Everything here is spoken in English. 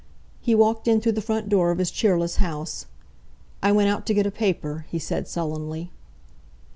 He walked in through the front door of his cheerless house. "I went out to get a paper," he said sullenly.